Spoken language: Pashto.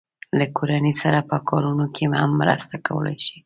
له کورنۍ سره په کارونو کې هم مرسته کولای شي.